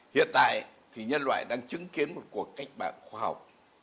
hiện tại thì nhân loại đang chứng kiến một cuộc cách mạng khoa học